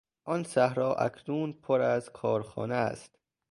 آن صحرا اکنون پر از کارخانه است.